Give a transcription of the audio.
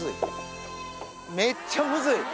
めっちゃムズい。